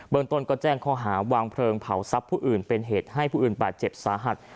ตนก็แจ้งข้อหาวางเพลิงเผาทรัพย์ผู้อื่นเป็นเหตุให้ผู้อื่นบาดเจ็บสาหัส